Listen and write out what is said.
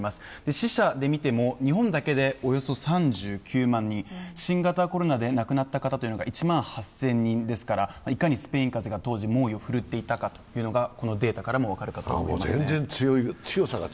死者で見ても日本だけでおよそ３９万人、新型コロナで亡くなった方が１万８０００人ですからいかにスペイン風邪が当時猛威を振るっていたかというのがこのデータからも分かると思います。